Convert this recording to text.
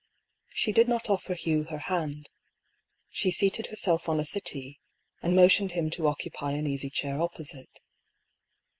She did not offer Hugh her hand. She seated her self on a settee, and motioned him to occupy an easy chair opposite.